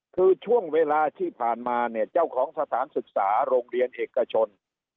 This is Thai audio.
คือช่วงเวลาที่ผ่านมาเนี่ยเจ้าของสถานศึกษาโรงเรียนเอกชน